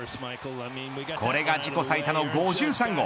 これが自己最多の５３号。